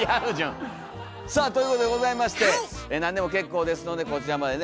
さあということでございまして何でも結構ですのでこちらまでね